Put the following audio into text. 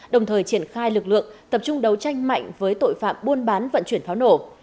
đồng thời triển khai lực lượng tập trung đấu tranh mạnh với tội phạm buôn bán vận chuyển pháo nổ